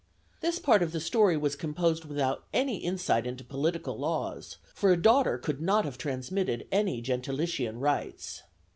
This part of the story was composed without any insight into political laws, for a daughter could not have transmitted any gentilician rights.